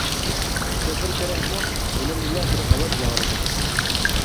«شوپۇر كېرەكمۇ؟ » يېنىمدىلا بىر ئاۋاز ياڭرىدى.